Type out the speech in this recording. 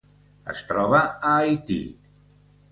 Es troba a Haití.